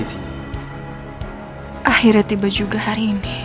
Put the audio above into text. udah hargunya tomar